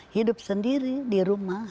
hidup sendiri di rumah